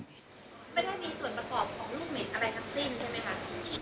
ไม่ได้มีส่วนประกอบของลูกเหม็นอะไรทั้งสิ้นใช่ไหมคะ